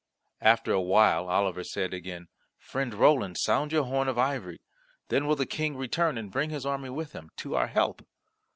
After a while, Oliver said again, "Friend Roland sound your horn of ivory. Then will the King returns and bring his army with him, to our help."